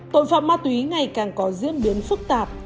tội phạm ma túy ngày càng có diễn biến phức tạp